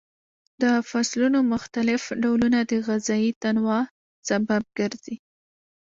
د فصلونو مختلف ډولونه د غذایي تنوع سبب ګرځي.